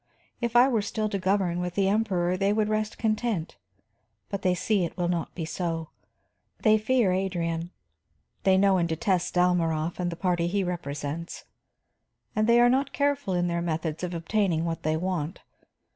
If I were still to govern with the Emperor they would rest content, but they see it will not be so. They fear Adrian, they know and detest Dalmorov and the party he represents. And they are not careful in their methods of obtaining what they want.